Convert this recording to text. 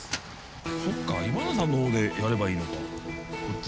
そっか今田さんのほうでやればいいのかこっち。